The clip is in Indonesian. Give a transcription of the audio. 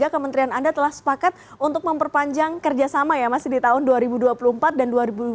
kementerian anda telah sepakat untuk memperpanjang kerjasama ya masih di tahun dua ribu dua puluh empat dan dua ribu dua puluh